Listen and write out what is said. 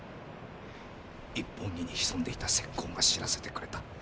一本木に潜んでいた斥候が知らせてくれた。